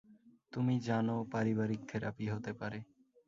তুমি জান, পারিবারিক থেরাপি, হতে পারে।